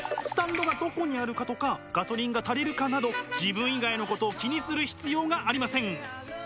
スタンドがどこにあるかとかガソリンが足りるかなど自分以外のことを気にする必要がありません。